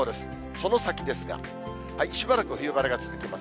その先ですが、しばらく冬晴れが続きます。